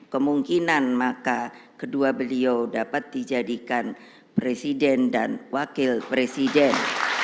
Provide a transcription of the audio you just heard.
kemungkinan maka kedua beliau dapat dijadikan presiden dan wakil presiden